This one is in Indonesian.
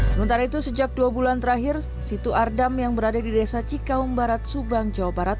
sementara itu sejak dua bulan terakhir situ ardam yang berada di desa cikaung barat subang jawa barat